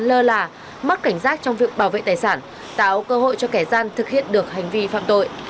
lơ là mất cảnh giác trong việc bảo vệ tài sản tạo cơ hội cho kẻ gian thực hiện được hành vi phạm tội